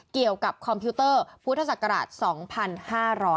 เกี่ยวกับคอมพิวเตอร์ภูทธศักราช๒๕๕๐